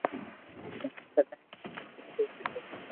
ھون ٿني ھڻاوتو رھيو